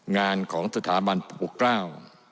งานของสถาบันประปุกร่าว